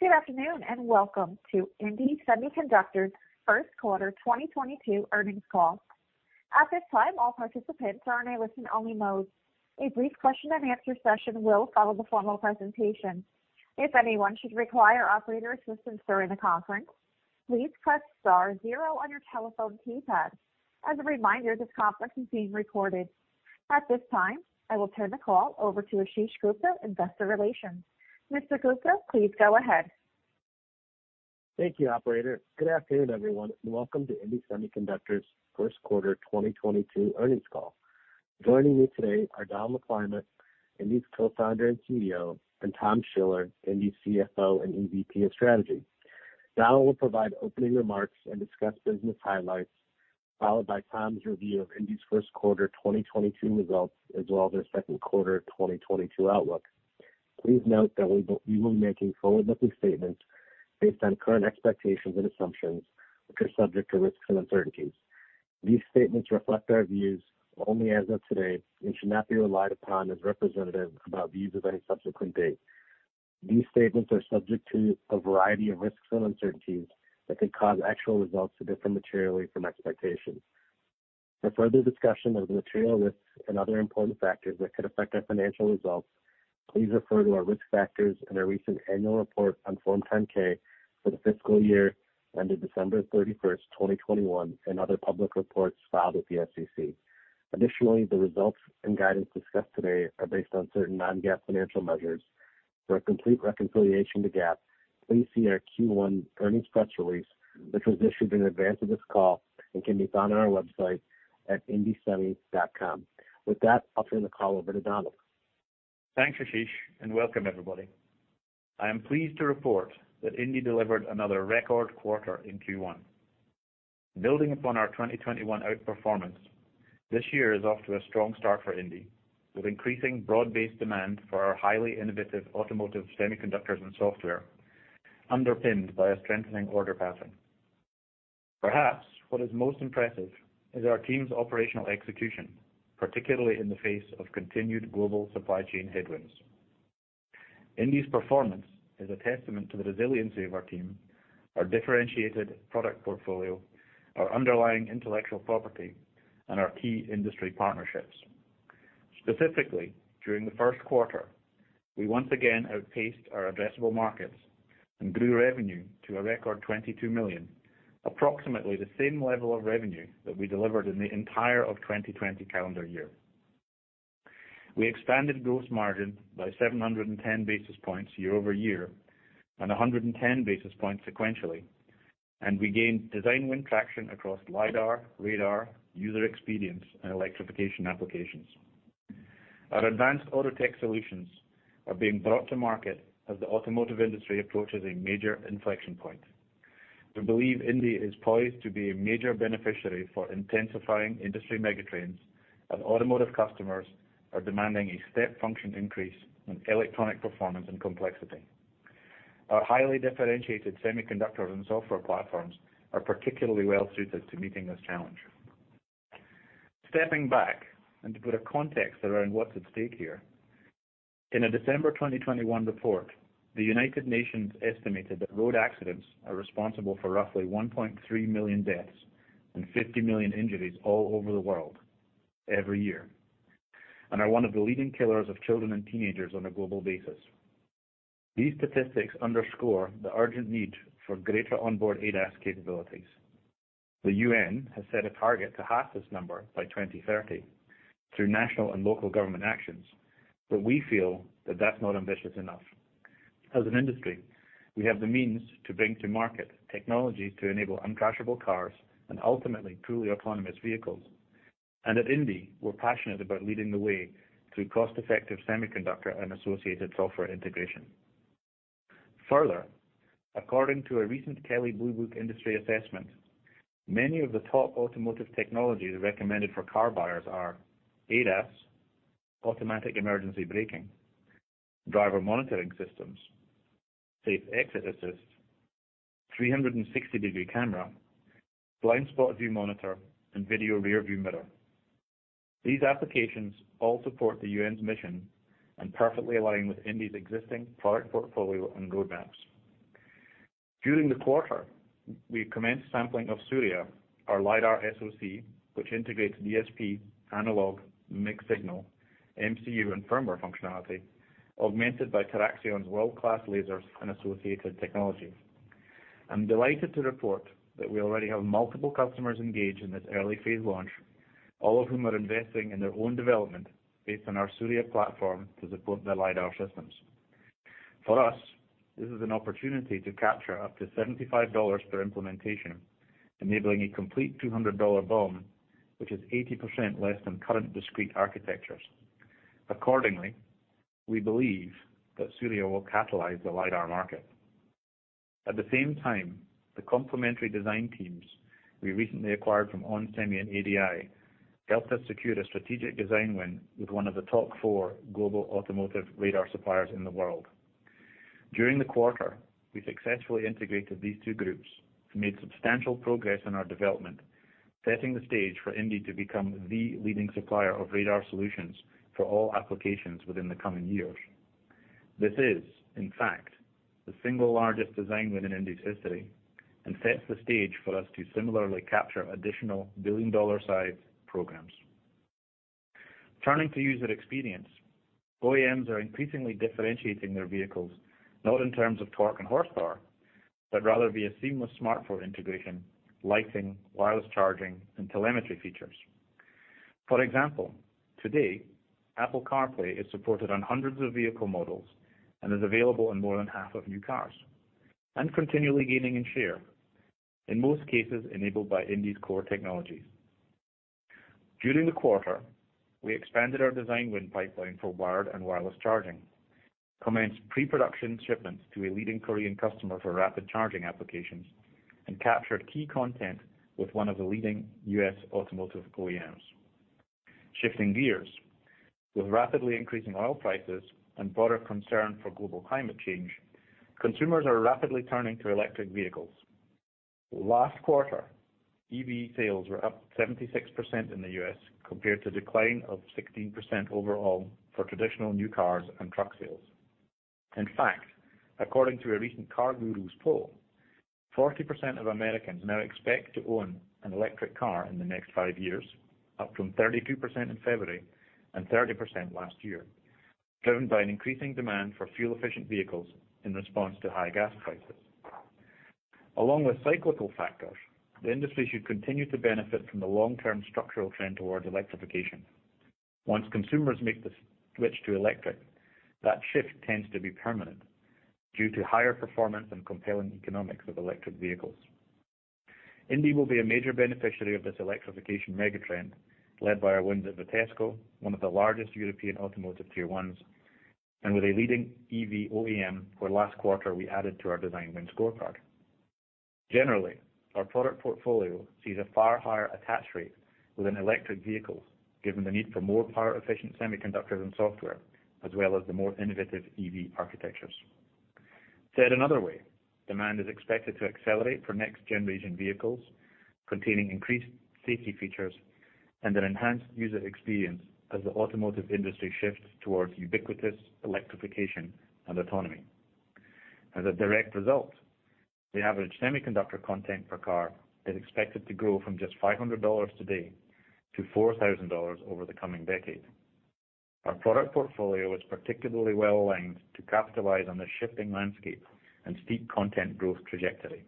Good afternoon, and welcome to indie Semiconductor's first quarter 2022 earnings call. At this time, all participants are in a listen-only mode. A brief question-and-answer session will follow the formal presentation. If anyone should require operator assistance during the conference, please press star zero on your telephone keypad. As a reminder, this conference is being recorded. At this time, I will turn the call over to Ashish Gupta, Investor Relations. Mr. Gupta, please go ahead. Thank you, operator. Good afternoon, everyone, and welcome to indie Semiconductor's first quarter 2022 earnings call. Joining me today are Donald McClymont, indie's Co-Founder and CEO, and Tom Schiller, indie's CFO and EVP of Strategy. Donald will provide opening remarks and discuss business highlights, followed by Tom's review of indie's first quarter 2022 results, as well as their second quarter 2022 outlook. Please note that we will be making forward-looking statements based on current expectations and assumptions, which are subject to risks and uncertainties. These statements reflect our views only as of today and should not be relied upon as representative of our views as of any subsequent date. These statements are subject to a variety of risks and uncertainties that could cause actual results to differ materially from expectations. For further discussion of the material risks and other important factors that could affect our financial results, please refer to our risk factors in our recent annual report on Form 10-K for the fiscal year ended December 31st, 2021 and other public reports filed with the SEC. Additionally, the results and guidance discussed today are based on certain non-GAAP financial measures. For a complete reconciliation to GAAP, please see our Q1 earnings press release, which was issued in advance of this call and can be found on our website at indiesemi.com. With that, I'll turn the call over to Donald. Thanks, Ashish, and welcome everybody. I am pleased to report that Indie delivered another record quarter in Q1. Building upon our 2021 outperformance, this year is off to a strong start for Indie, with increasing broad-based demand for our highly innovative automotive semiconductors and software, underpinned by a strengthening order pattern. Perhaps what is most impressive is our team's operational execution, particularly in the face of continued global supply chain headwinds. Indie's performance is a testament to the resiliency of our team, our differentiated product portfolio, our underlying intellectual property, and our key industry partnerships. Specifically, during the first quarter, we once again outpaced our addressable markets and grew revenue to a record $22 million, approximately the same level of revenue that we delivered in the entirety of 2020 calendar year. We expanded gross margin by 710 basis points year-over-year and 110 basis points sequentially, and we gained design win traction across LiDAR, radar, user experience, and electrification applications. Our advanced auto tech solutions are being brought to market as the automotive industry approaches a major inflection point. We believe indie is poised to be a major beneficiary for intensifying industry megatrends, as automotive customers are demanding a step function increase in electronic performance and complexity. Our highly differentiated semiconductor and software platforms are particularly well suited to meeting this challenge. Stepping back, to put a context around what's at stake here, in a December 2021 report, the United Nations estimated that road accidents are responsible for roughly 1.3 million deaths and 50 million injuries all over the world every year, and are one of the leading killers of children and teenagers on a global basis. These statistics underscore the urgent need for greater onboard ADAS capabilities. The UN has set a target to halve this number by 2030 through national and local government actions, but we feel that that's not ambitious enough. As an industry, we have the means to bring to market technology to enable uncrashable cars and ultimately truly autonomous vehicles. At indie, we're passionate about leading the way through cost-effective semiconductor and associated software integration. Further, according to a recent Kelley Blue Book industry assessment, many of the top automotive technologies recommended for car buyers are ADAS, automatic emergency braking, driver monitoring systems, safe exit assist, 360-degree camera, blind spot view monitor, and video rearview mirror. These applications all support the UN's mission and perfectly align with indie's existing product portfolio and roadmaps. During the quarter, we commenced sampling of Surya, our LIDAR SoC, which integrates DSP, analog, mixed signal, MCU, and firmware functionality, augmented by TeraXion's world-class lasers and associated technology. I'm delighted to report that we already have multiple customers engaged in this early phase launch, all of whom are investing in their own development based on our Surya platform to support their LIDAR systems. For us, this is an opportunity to capture up to $75 per implementation, enabling a complete $200 BOM, which is 80% less than current discrete architectures. Accordingly, we believe that Surya will catalyze the LIDAR market. At the same time, the complementary design teams we recently acquired from onsemi and ADI helped us secure a strategic design win with one of the top four global automotive radar suppliers in the world. During the quarter, we successfully integrated these two groups and made substantial progress on our development. Setting the stage for indie to become the leading supplier of radar solutions for all applications within the coming years. This is in fact the single largest design win in indie's history, and sets the stage for us to similarly capture additional billion-dollar size programs. Turning to user experience, OEMs are increasingly differentiating their vehicles, not in terms of torque and horsepower, but rather via seamless smartphone integration, lighting, wireless charging, and telemetry features. For example, today, Apple CarPlay is supported on hundreds of vehicle models and is available in more than half of new cars and continually gaining in share, in most cases, enabled by Indie's core technologies. During the quarter, we expanded our design win pipeline for wired and wireless charging, commenced pre-production shipments to a leading Korean customer for rapid charging applications, and captured key content with one of the leading U.S. automotive OEMs. Shifting gears, with rapidly increasing oil prices and broader concern for global climate change, consumers are rapidly turning to electric vehicles. Last quarter, EV sales were up 76% in the U.S. compared to decline of 16% overall for traditional new cars and truck sales. In fact, according to a recent CarGurus poll, 40% of Americans now expect to own an electric car in the next five years, up from 32% in February and 30% last year, driven by an increasing demand for fuel-efficient vehicles in response to high gas prices. Along with cyclical factors, the industry should continue to benefit from the long-term structural trend towards electrification. Once consumers make the switch to electric, that shift tends to be permanent due to higher performance and compelling economics of electric vehicles. Indie will be a major beneficiary of this electrification mega-trend, led by our wins at Vitesco, one of the largest European automotive tier ones, and with a leading EV OEM. For last quarter we added to our design win scorecard. Generally, our product portfolio sees a far higher attach rate within electric vehicles, given the need for more power efficient semiconductors and software, as well as the more innovative EV architectures. Said another way, demand is expected to accelerate for next generation vehicles containing increased safety features and an enhanced user experience as the automotive industry shifts towards ubiquitous electrification and autonomy. As a direct result, the average semiconductor content per car is expected to grow from just $500 today to $4,000 over the coming decade. Our product portfolio is particularly well aligned to capitalize on this shifting landscape and steep content growth trajectory.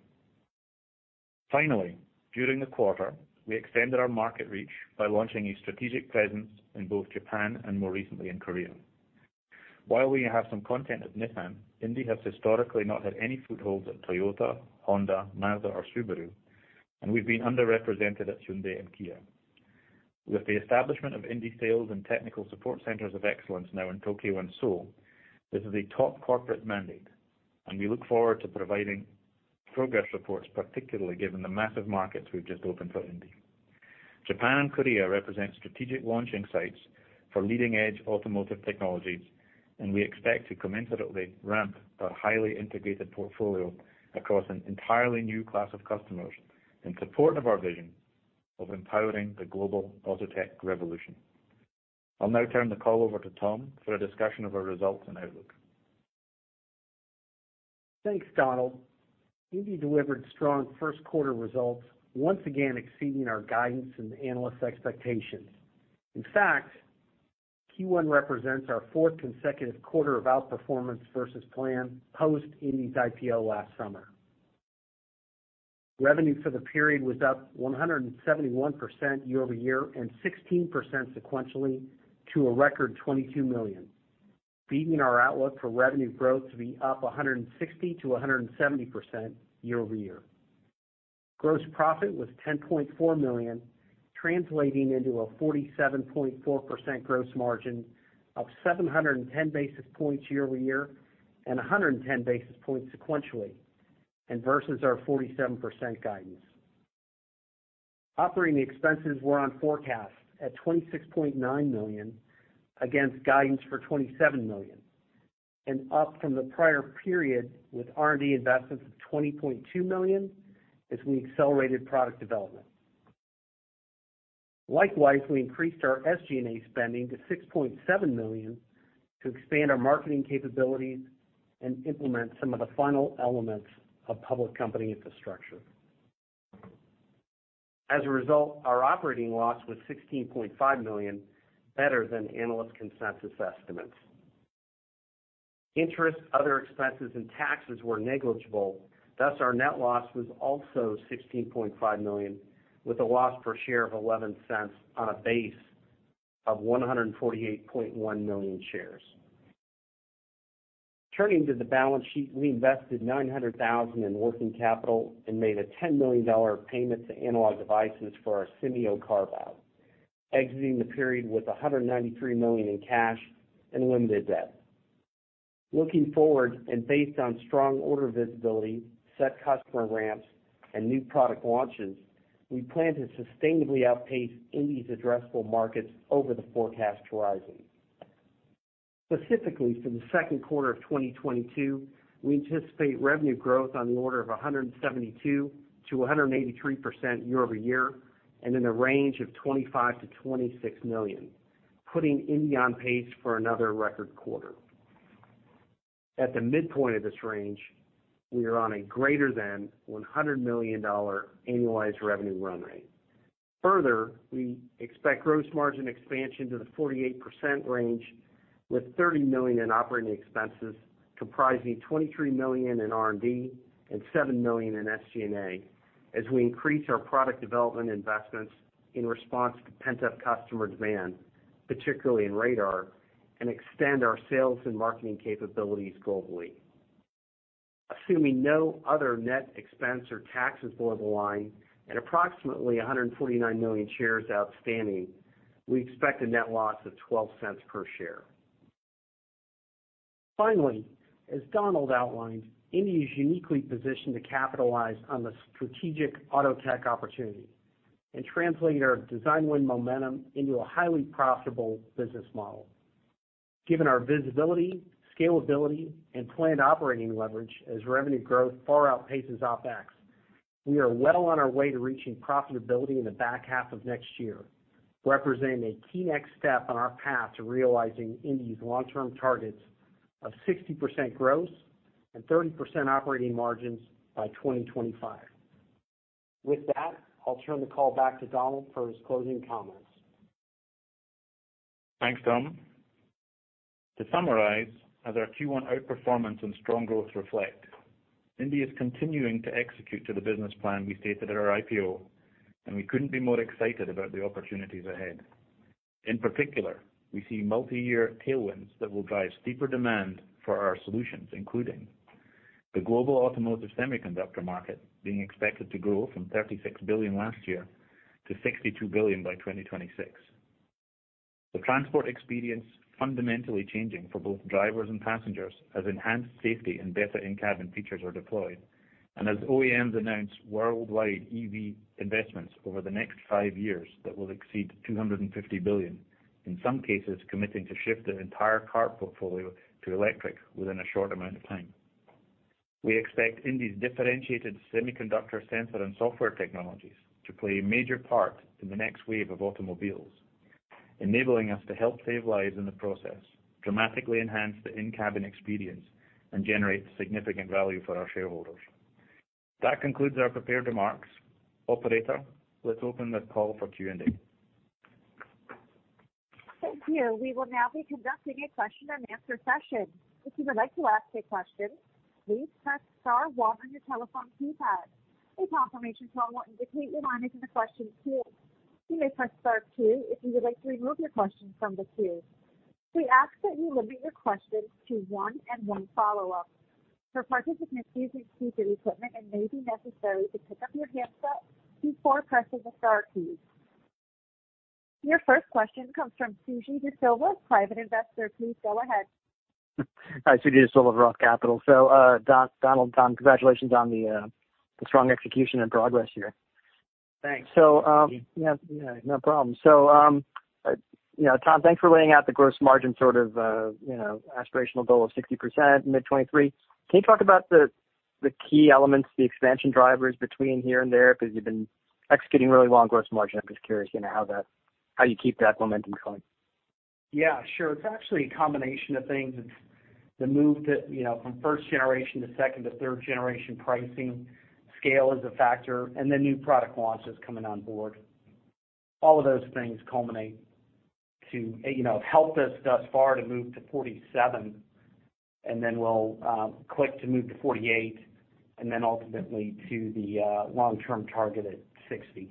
Finally, during the quarter, we extended our market reach by launching a strategic presence in both Japan and more recently in Korea. While we have some content at Nissan, indie has historically not had any footholds at Toyota, Honda, Mazda, or Subaru, and we've been underrepresented at Hyundai and Kia. With the establishment of indie sales and technical support centers of excellence now in Tokyo and Seoul, this is a top corporate mandate, and we look forward to providing progress reports, particularly given the massive markets we've just opened for indie. Japan and Korea represent strategic launching sites for leading-edge automotive technologies, and we expect to commensurately ramp our highly integrated portfolio across an entirely new class of customers in support of our vision of empowering the global auto tech revolution. I'll now turn the call over to Tom for a discussion of our results and outlook. Thanks, Donald. Indie delivered strong first quarter results, once again exceeding our guidance and analyst expectations. In fact, Q1 represents our fourth consecutive quarter of outperformance versus plan post Indie's IPO last summer. Revenue for the period was up 171% year-over-year and 16% sequentially to a record $22 million, beating our outlook for revenue growth to be up 160%-170% year-over-year. Gross profit was $10.4 million, translating into a 47.4% gross margin, up 710 basis points year-over-year and 110 basis points sequentially, and versus our 47% guidance. Operating expenses were on forecast at $26.9 million against guidance for $27 million and up from the prior period with R&D investments of $20.2 million as we accelerated product development. Likewise, we increased our SG&A spending to $6.7 million to expand our marketing capabilities and implement some of the final elements of public company infrastructure. As a result, our operating loss was $16.5 million, better than analyst consensus estimates. Interest, other expenses, and taxes were negligible, thus our net loss was also $16.5 million, with a loss per share of $0.11 on a base of 148.1 million shares. Turning to the balance sheet, we invested $900,000 in working capital and made a $10 million payment to Analog Devices for our Symeo carve-out, exiting the period with $193 million in cash and limited debt. Looking forward, based on strong order visibility, set customer ramps, and new product launches, we plan to sustainably outpace Indie's addressable markets over the forecast horizon. Specifically for the second quarter of 2022, we anticipate revenue growth on the order of 172%-183% year-over-year and in the range of $25 million-$26 million, putting Indie on pace for another record quarter. At the midpoint of this range, we are on a greater than $100 million annualized revenue run rate. Further, we expect gross margin expansion to the 48% range with $30 million in operating expenses, comprising $23 million in R&D and $7 million in SG&A as we increase our product development investments in response to pent-up customer demand, particularly in radar, and extend our sales and marketing capabilities globally. Assuming no other net expense or taxes below the line and approximately 149 million shares outstanding, we expect a net loss of $0.12 per share. Finally, as Donald outlined, indie is uniquely positioned to capitalize on the strategic auto tech opportunity and translate our design win momentum into a highly profitable business model. Given our visibility, scalability and planned operating leverage as revenue growth far outpaces OpEx, we are well on our way to reaching profitability in the back half of next year, representing a key next step on our path to realizing indie's long-term targets of 60% gross and 30% operating margins by 2025. With that, I'll turn the call back to Donald for his closing comments. Thanks, Tom. To summarize, as our Q1 outperformance and strong growth reflect, indie is continuing to execute to the business plan we stated at our IPO, and we couldn't be more excited about the opportunities ahead. In particular, we see multiyear tailwinds that will drive steeper demand for our solutions, including the global automotive semiconductor market being expected to grow from $36 billion last year to $62 billion by 2026. The transport experience fundamentally changing for both drivers and passengers as enhanced safety and better in-cabin features are deployed, and as OEMs announce worldwide EV investments over the next five years that will exceed $250 billion, in some cases committing to shift their entire car portfolio to electric within a short amount of time. We expect indie's differentiated semiconductor sensor and software technologies to play a major part in the next wave of automobiles, enabling us to help save lives in the process, dramatically enhance the in-cabin experience, and generate significant value for our shareholders. That concludes our prepared remarks. Operator, let's open the call for Q&A. Thank you. We will now be conducting a question-and-answer session. If you would like to ask a question, please press star one on your telephone keypad. A confirmation tone will indicate your line is in the question queue. You may press star two if you would like to remove your question from the queue. We ask that you limit your questions to one and one follow-up. For participants using speaker equipment, it may be necessary to pick up your handset before pressing the star key. Your first question comes from Suji Desilva, private investor. Please go ahead. Hi, Suji Da Silva, Roth Capital. Donald, Tom, congratulations on the strong execution and progress here. Thanks. No problem. You know, Tom, thanks for laying out the gross margin sort of, you know, aspirational goal of 60% mid-2023. Can you talk about the key elements, the expansion drivers between here and there? Because you've been executing really well on gross margin. I'm just curious, you know, how you keep that momentum going. Yeah, sure. It's actually a combination of things. It's the move to, you know, from first generation to second to third generation pricing. Scale is a factor, and the new product launch is coming on board. All of those things culminate to helped us thus far to move to 47%, and then we'll click to move to 48% and then ultimately to the long-term target at 60%.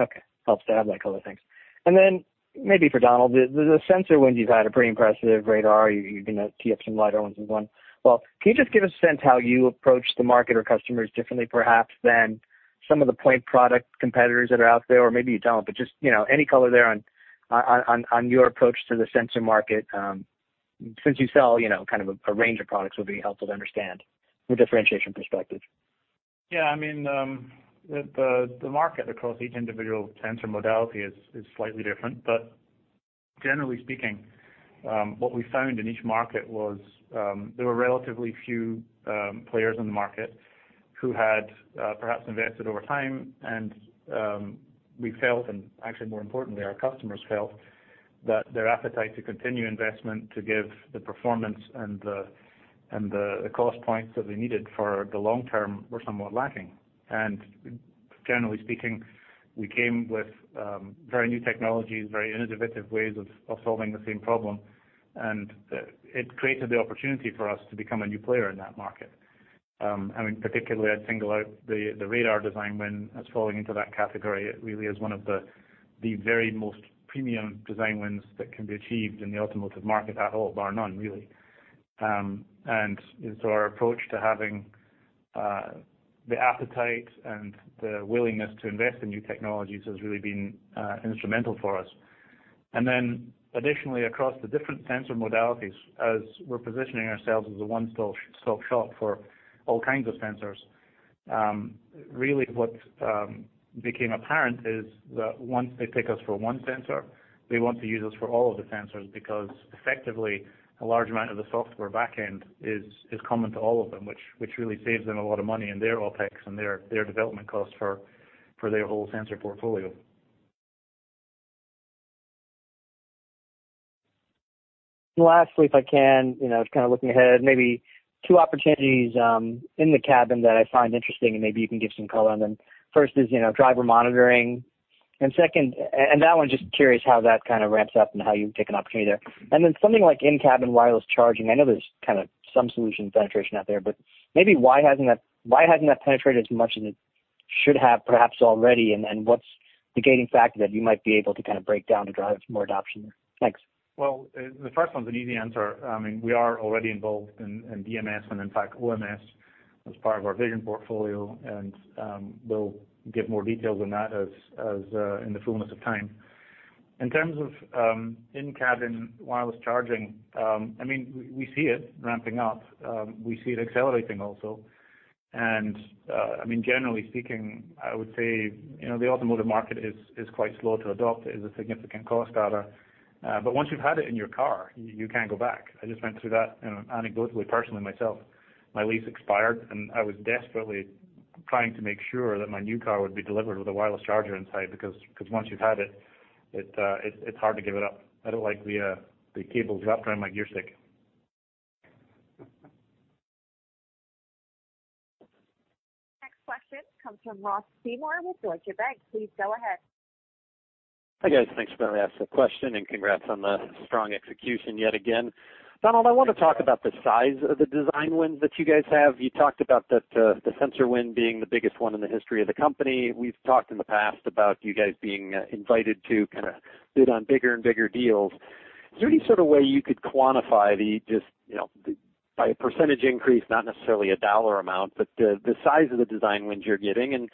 Okay. Helps to have that color. Thanks. Then maybe for Donald, the sensor wins you've had are pretty impressive, radar. You know, key wins, some LiDAR ones as well. Well, can you just give a sense how you approach the market or customers differently perhaps than some of the point product competitors that are out there? Or maybe you don't, but just, you know, any color there on your approach to the sensor market, since you sell, you know, kind of a range of products, would be helpful to understand from a differentiation perspective. Yeah. I mean, the market across each individual sensor modality is slightly different. Generally speaking, what we found in each market was there were relatively few players in the market who had perhaps invested over time. We felt, and actually more importantly, our customers felt, that their appetite to continue investment to give the performance and the cost points that they needed for the long term were somewhat lacking. Generally speaking, we came with very new technologies, very innovative ways of solving the same problem, and it created the opportunity for us to become a new player in that market. I mean, particularly I'd single out the radar design win as falling into that category. It really is one of the very most premium design wins that can be achieved in the automotive market at all, bar none really. Our approach to having the appetite and the willingness to invest in new technologies has really been instrumental for us. Additionally, across the different sensor modalities, as we're positioning ourselves as a one-stop shop for all kinds of sensors, really what became apparent is that once they pick us for one sensor, they want to use us for all of the sensors because effectively a large amount of the software back end is common to all of them, which really saves them a lot of money in their OpEx and their development costs for their whole sensor portfolio. Lastly, if I can, you know, kind of looking ahead, maybe two opportunities in the cabin that I find interesting, and maybe you can give some color on them. First is, you know, driver monitoring. Second, that one, just curious how that kind of ramps up and how you take an opportunity there. Something like in-cabin wireless charging. I know there's kind of some solution penetration out there, but maybe why hasn't that penetrated as much as it should have perhaps already? What's the gating factor that you might be able to kind of break down to drive more adoption there? Thanks. Well, the first one's an easy answer. I mean, we are already involved in DMS and in fact, OMS as part of our vision portfolio. We'll give more details on that as in the fullness of time. In terms of in-cabin wireless charging, I mean, we see it ramping up. We see it accelerating also. I mean, generally speaking, I would say, you know, the automotive market is quite slow to adopt. It is a significant cost adder. Once you've had it in your car, you can't go back. I just went through that, you know, anecdotally, personally myself. My lease expired, and I was desperately trying to make sure that my new car would be delivered with a wireless charger inside because once you've had it's hard to give it up. I don't like the cables wrapped around my gear stick. Next question comes from Ross Seymore with Deutsche Bank. Please go ahead. Hi, guys. Thanks for letting me ask the question and congrats on the strong execution yet again. Donald, I wanna talk about the size of the design win that you guys have. You talked about that, the sensor win being the biggest one in the history of the company. We've talked in the past about you guys being invited to kind of bid on bigger and bigger deals. Is there any sort of way you could quantify the, just, you know, the, by a percentage increase, not necessarily a dollar amount but the size of the design wins you're getting?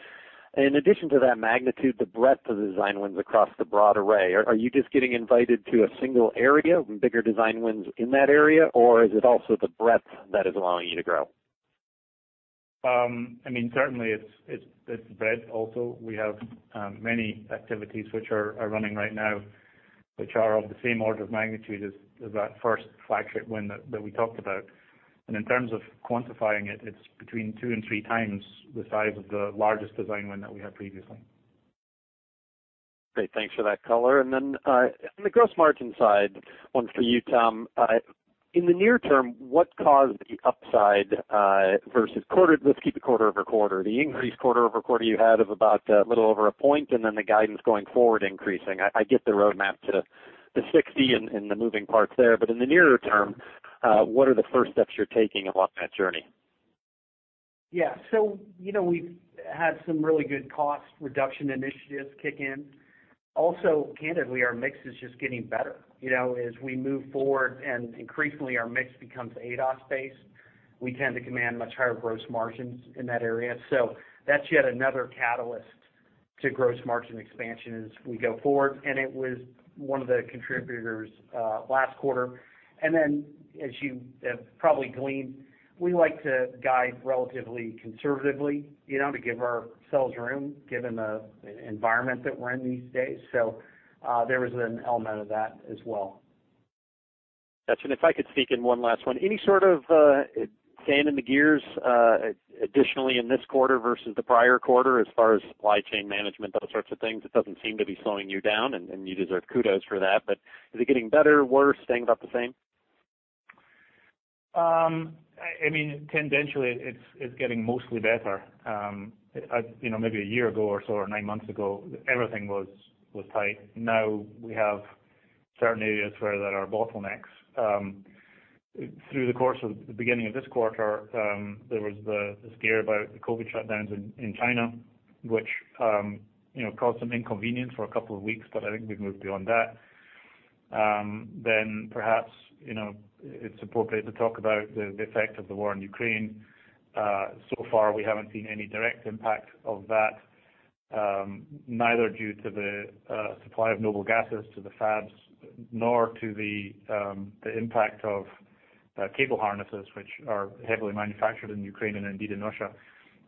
In addition to that magnitude, the breadth of the design wins across the broad array, are you just getting invited to a single area with bigger design wins in that area or is it also the breadth that is allowing you to grow? I mean, certainly its breadth also. We have many activities which are running right now, which are of the same order of magnitude as that first flagship win that we talked about. In terms of quantifying it's between two and three times the size of the largest design win that we had previously. Great. Thanks for that color. On the gross margin side, one for you, Tom. In the near term, what caused the upside versus quarter over quarter, the increase quarter over quarter you had of about a little over a point, and then the guidance going forward increasing. I get the roadmap to 60 and the moving parts there, but in the nearer term, what are the first steps you're taking along that journey? Yeah. You know, we've had some really good cost reduction initiatives kick in. Also, candidly, our mix is just getting better. You know, as we move forward and increasingly our mix becomes ADAS-based, we tend to command much higher gross margins in that area. That's yet another catalyst to gross margin expansion as we go forward, and it was one of the contributors last quarter. As you have probably gleaned, we like to guide relatively conservatively, you know, to give ourselves room given the environment that we're in these days. There was an element of that as well. Got you. If I could sneak in one last one. Any sort of sand in the gears additionally in this quarter versus the prior quarter as far as supply chain management, those sorts of things? It doesn't seem to be slowing you down, and you deserve kudos for that. Is it getting better, worse, staying about the same? I mean, tendentially it's getting mostly better. You know, maybe a year ago or so, or nine months ago, everything was tight. Now we have certain areas where there are bottlenecks. Through the course of the beginning of this quarter, there was the scare about the COVID shutdowns in China, which, you know, caused some inconvenience for a couple of weeks, but I think we've moved beyond that. Perhaps, you know, it's appropriate to talk about the effect of the war in Ukraine. So far we haven't seen any direct impact of that, neither due to the supply of noble gases to the fabs nor to the impact of cable harnesses, which are heavily manufactured in Ukraine and indeed in Russia.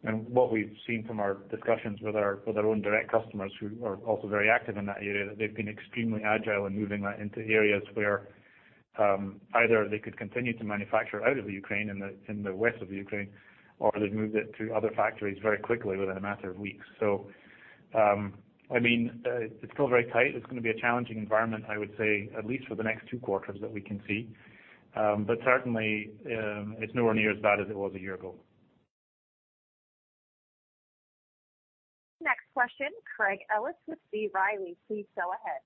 What we've seen from our discussions with our own direct customers who are also very active in that area, that they've been extremely agile in moving that into areas where either they could continue to manufacture out of the Ukraine in the west of the Ukraine, or they've moved it to other factories very quickly within a matter of weeks. I mean, it's still very tight. It's gonna be a challenging environment, I would say, at least for the next two quarters that we can see. But certainly, it's nowhere near as bad as it was a year ago. Next question, Craig Ellis with B. Riley. Please go ahead.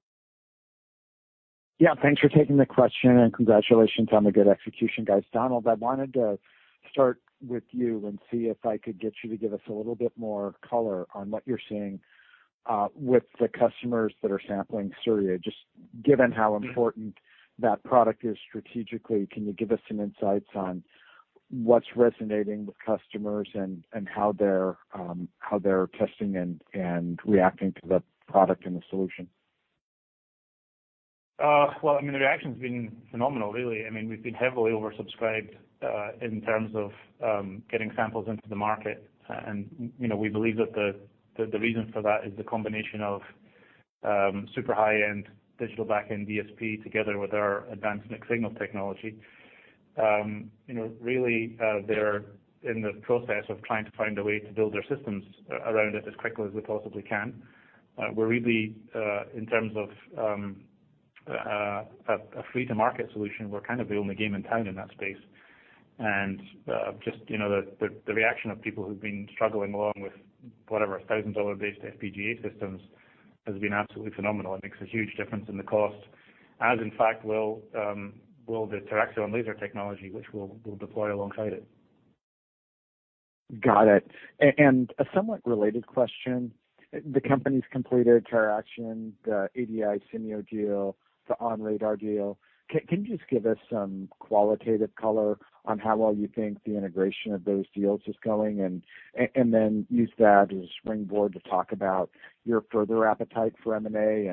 Yeah, thanks for taking the question and congratulations on the good execution, guys. Donald, I wanted to start with you and see if I could get you to give us a little bit more color on what you're seeing with the customers that are sampling Surya. Just given how important that product is strategically, can you give us some insights on what's resonating with customers and how they're testing and reacting to the product and the solution? Well, I mean, the reaction's been phenomenal, really. I mean, we've been heavily oversubscribed in terms of getting samples into the market. You know, we believe that the reason for that is the combination of super high-end digital-backend DSP together with our advanced mixed-signal technology. You know, really, they're in the process of trying to find a way to build their systems around it as quickly as we possibly can. We're really in terms of a first-to-market solution, we're kind of the only game in town in that space. Just, you know, the reaction of people who've been struggling along with whatever $1,000-based FPGA systems has been absolutely phenomenal. It makes a huge difference in the cost, as in fact will the TeraXion laser technology, which we'll deploy alongside it. Got it. A somewhat related question. The company's completed TeraXion, the ADI Symeo deal, the ON Radar deal. Can you just give us some qualitative color on how well you think the integration of those deals is going? Then use that as a springboard to talk about your further appetite for M&A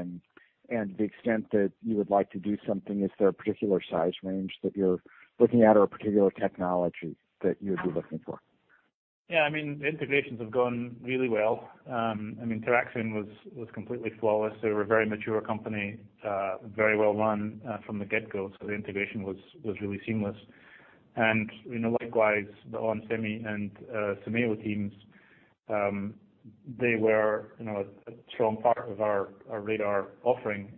and the extent that you would like to do something. Is there a particular size range that you're looking at or a particular technology that you would be looking for? Yeah, I mean, integrations have gone really well. TeraXion was completely flawless. They were a very mature company, very well run, from the get-go. The integration was really seamless. You know, likewise, the onsemi and Symeo teams, they were, you know, a strong part of our radar offering.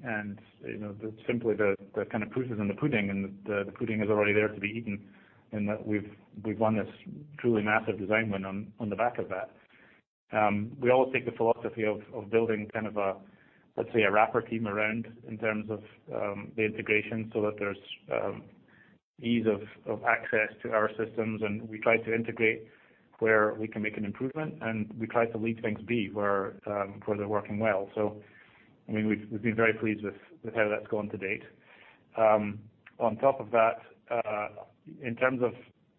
Simply, the kind of proof is in the pudding, and the pudding is already there to be eaten in that we've won this truly massive design win on the back of that. We always take the philosophy of building kind of a, let's say, a wrapper team around in terms of the integration so that there's ease of access to our systems. We try to integrate where we can make an improvement, and we try to leave things be where they're working well. I mean, we've been very pleased with how that's gone to date. On top of that, in terms of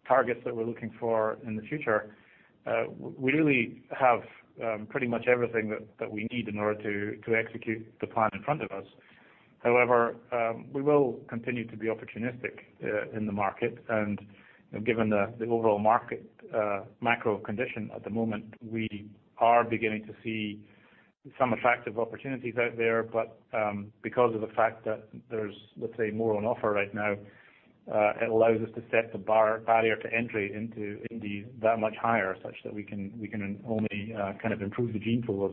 targets that we're looking for in the future, we really have pretty much everything that we need in order to execute the plan in front of us. However, we will continue to be opportunistic in the market. You know, given the overall market macro condition at the moment, we are beginning to see some attractive opportunities out there. Because of the fact that there's, let's say, more on offer right now, it allows us to set the barrier to entry into indie that much higher, such that we can only kind of improve the gene pool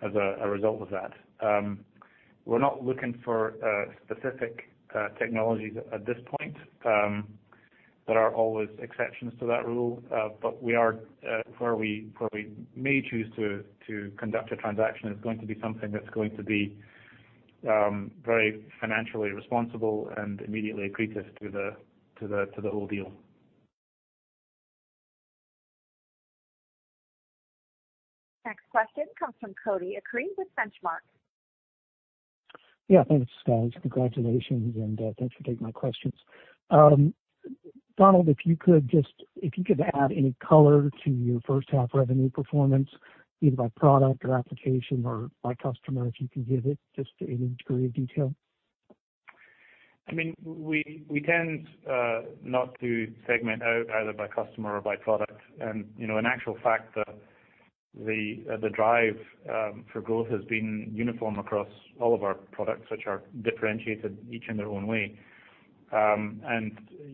as a result of that. We're not looking for specific technologies at this point. There are always exceptions to that rule. We are where we may choose to conduct a transaction is going to be something that's going to be very financially responsible and immediately accretive to the whole deal. Next question comes from Cody Acree with Benchmark. Yeah, thanks guys. Congratulations, and thanks for taking my questions. Donald, if you could add any color to your first half revenue performance, either by product or application or by customer, if you can give it just any degree of detail. I mean, we tend not to segment out either by customer or by product. You know, in actual fact, the drive for growth has been uniform across all of our products, which are differentiated each in their own way.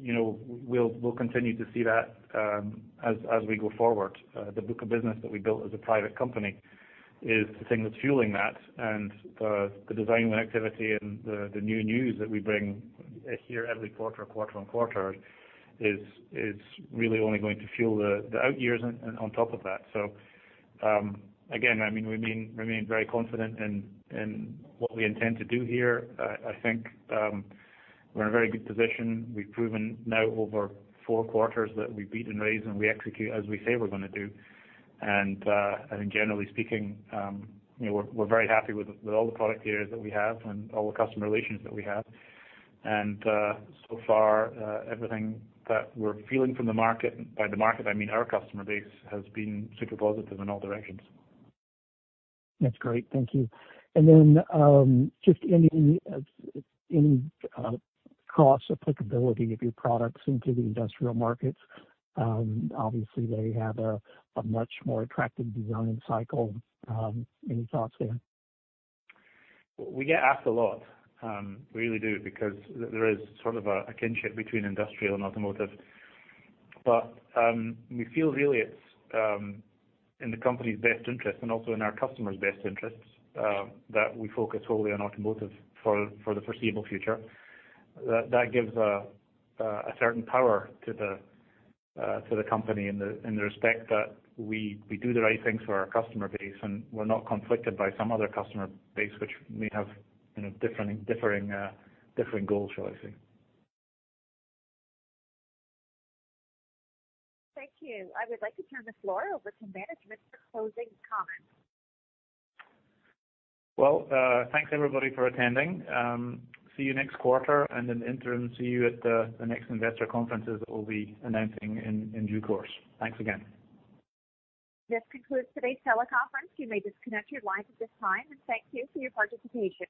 You know, we'll continue to see that as we go forward. The book of business that we built as a private company is the thing that's fueling that. The design win activity and the new news that we bring here every quarter-over-quarter is really only going to fuel the out years on top of that. Again, I mean, we remain very confident in what we intend to do here. I think we're in a very good position. We've proven now over four quarters that we beat and raise, and we execute as we say we're gonna do. Generally speaking, you know, we're very happy with all the product peers that we have and all the customer relations that we have. So far, everything that we're feeling from the market, by the market I mean our customer base, has been super positive in all directions. That's great. Thank you. Just any cross applicability of your products into the industrial markets? Obviously, they have a much more attractive design cycle. Any thoughts there? We get asked a lot, we really do because there is sort of a kinship between industrial and automotive. We feel really it's in the company's best interest and also in our customers' best interests that we focus solely on automotive for the foreseeable future. That gives a certain power to the company in that respect that we do the right thing for our customer base, and we're not conflicted by some other customer base which may have, you know, different goal choices. Thank you. I would like to turn the floor over to management for closing comments. Well, thanks everybody for attending. See you next quarter and in the interim, see you at the next investor conferences that we'll be announcing in due course. Thanks again. This concludes today's teleconference. You may disconnect your lines at this time. Thank you for your participation.